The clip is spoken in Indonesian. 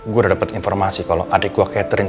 gue udah dapet informasi kalau adik gue catherine